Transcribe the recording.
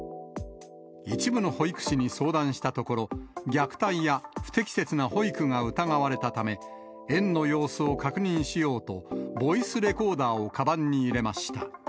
一部の保育士に相談したところ、虐待や不適切な保育が疑われたため、園の様子を確認しようと、ボイスレコーダーをかばんに入れました。